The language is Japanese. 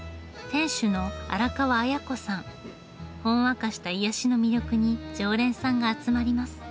ほんわかした癒やしの魅力に常連さんが集まります。